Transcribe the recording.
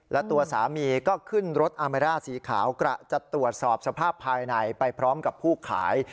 และตัวสามีก็ขึ้นรถอาเมร่าสีขาวกระจะตรวจสอบสภาพภายในไปพร้อมกับผู้ขาย